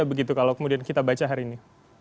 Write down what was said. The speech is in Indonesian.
begitu kalau kemudian kita baca hari ini